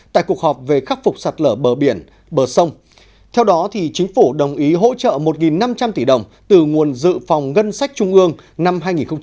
trước đó chính phủ đồng ý hỗ trợ một năm trăm linh tỷ đồng từ nguồn dự phòng ngân sách trung ương năm hai nghìn một mươi tám